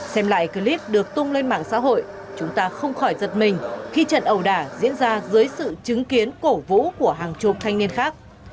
xem lại clip được tung lên mạng xã hội chúng ta không khỏi giật mình khi trận ẩu đả diễn ra dưới sự chứng kiến cổ vũ của hàng chục thanh niên khác